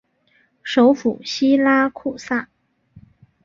首府锡拉库萨。